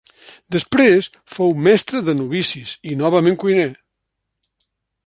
Després fou mestre de novicis i novament cuiner.